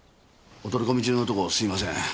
お取り込み中のとこすいません。